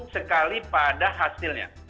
sekali pada hasilnya